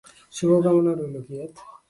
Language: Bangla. শুভকামনা রইলো, কিয়েত।